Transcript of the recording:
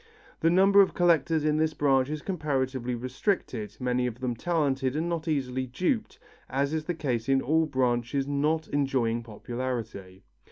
The number of collectors in this branch is comparatively restricted, many of them talented and not easily duped as is the case in all branches not enjoying popularity.